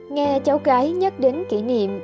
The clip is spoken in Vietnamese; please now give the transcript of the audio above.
nghe cháu gái nhắc đến kỷ niệm